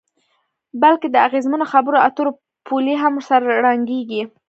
بلکې د اغیزمنو خبرو اترو پولې هم ورسره ړنګیږي.